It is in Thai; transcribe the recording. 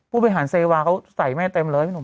ภูมิอาศาอยีสวทีของเขาใส่แม่เต็มเลย